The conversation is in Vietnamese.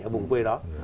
ở vùng quê đó